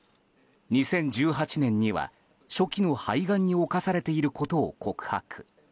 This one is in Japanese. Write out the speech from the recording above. ２０１８年には、初期の肺がんに侵されていることを告白。